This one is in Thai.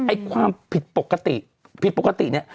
ไอ้ความผิดปกติผิดปกติเนี่ย